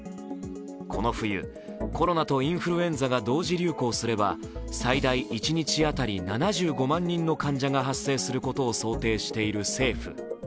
この冬、コロナとインフルエンザが同時流行すれば最大一日当たり７５万人の患者が発生することを想定している政府。